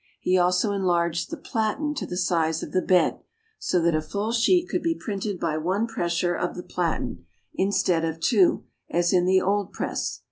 He also enlarged the platen to the size of the bed, so that a full sheet could be printed by one pressure of the platen, instead of two, as in the old press.